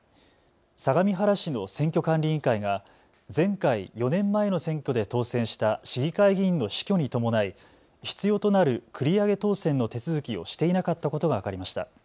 相模原市の選挙管理委員会が前回・４年前の選挙で当選した市議会議員の死去に伴い必要となる繰り上げ当選の手続きをしていなかったことが分かりました。